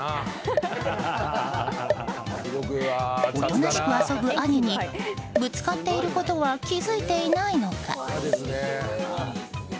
おとなしく遊ぶ兄にぶつかっていることは気づいていないのか。